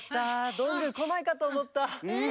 どんぐーこないかとおもった。